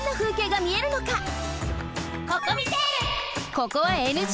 ここはＮＧ。